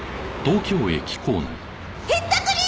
ひったくり！